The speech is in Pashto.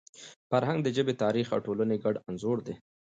فرهنګ د ژبي، تاریخ او ټولني ګډ انځور دی.